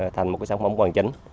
thành một sản phẩm hoàn chỉnh